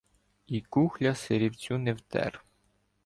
І кухля сирівцю не втер.